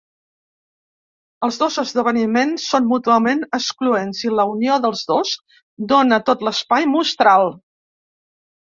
Els dos esdeveniments són mútuament excloents i la unió dels dos dóna tot l'espai mostral.